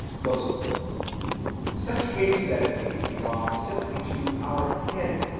Such cases as these belong simply to our head 1.